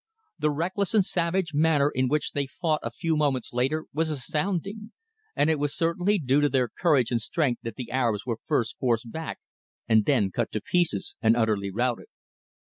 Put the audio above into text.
The reckless and savage manner in which they fought a few moments later was astounding, and it was certainly due to their courage and strength that the Arabs were first forced back and then cut to pieces and utterly routed.